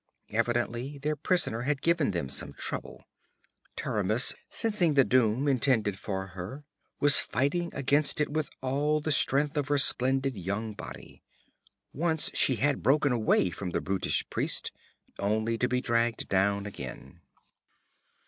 Evidently their prisoner had given them some trouble. Taramis, sensing the doom intended for her, was fighting against it with all the strength of her splendid young body. Once she had broken away from the brutish priest, only to be dragged down again.